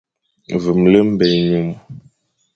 Vemle mba ényum.